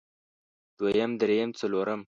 دويم درېيم څلورم